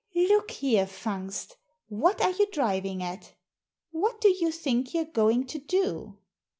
"Look here, Fungst, what are you driving at? What do you think you're going to do?"